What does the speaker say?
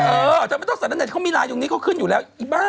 เออถ้าไม่ต้องสาแนถ้ามีไลน์ยังไงเขาขึ้นอยู่แล้ว